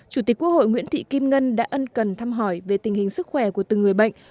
chủ tịch quốc hội nguyễn thị kim ngân đã ân cần thăm hỏi về tình hình sức khỏe của từng người bệnh